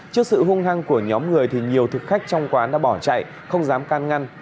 trước sự hung hăng của nhóm người thì nhiều thực khách trong quán đã bỏ chạy không dám can ngăn